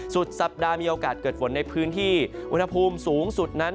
สุดสัปดาห์มีโอกาสเกิดฝนในพื้นที่อุณหภูมิสูงสุดนั้น